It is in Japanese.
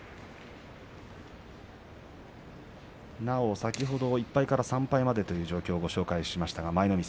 先ほど１敗から３敗までという状況をご紹介しました。